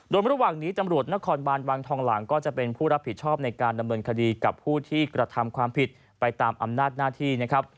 โดยระหว่างนี้ตำรวจนครบานวังทองหลังก็จะเป็นผู้รับผิดชอบในการดำเนินคดีกับผู้ที่กระทำความผิดไปตามอำนาจหน้าที่นะครับ